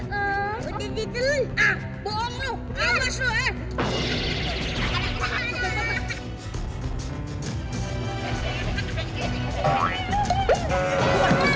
udah dikit dulu